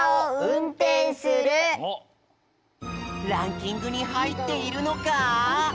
ランキングにはいっているのか？